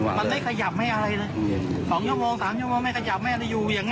ต้องหนีไว้ที่อื่น